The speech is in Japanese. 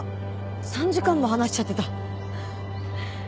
３時間も話しちゃってた。